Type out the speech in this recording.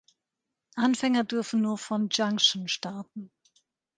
Anfänger dürfen nur von „Junction“ starten.